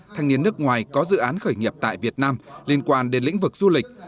thanh niên nước ngoài có dự án khởi nghiệp tại việt nam liên quan đến lĩnh vực du lịch